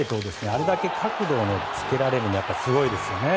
あれだけ角度をつけられるのはすごいですよね。